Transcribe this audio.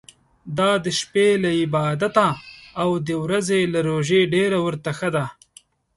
دا د شپې له عبادته او د ورځي له روژې ډېر ورته ښه ده.